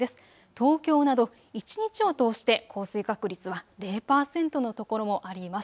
東京など一日を通して降水確率は０％のところもあります。